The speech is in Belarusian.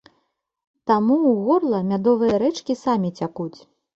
Таму ў горла мядовыя рэчкі самі цякуць.